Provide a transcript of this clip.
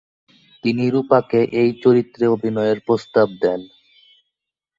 তিনি রূপা কে এই চরিত্রে অভিনয়ের প্রস্তাব দেন।